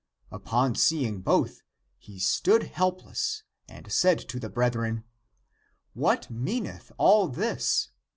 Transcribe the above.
Upon seeing both, he stood helpless and said to the brethren, " What meaneth all this?